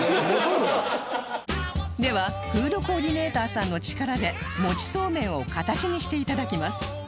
ではフードコーディネーターさんの力でもちそうめんを形にして頂きます